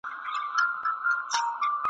شپه له سپوږمۍ څخه ساتم جانانه هېر مي نه کې .